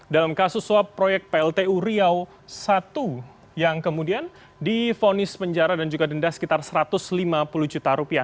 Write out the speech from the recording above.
dalam kasus suap proyek pltu riau i yang kemudian difonis penjara dan juga denda sekitar satu ratus lima puluh juta rupiah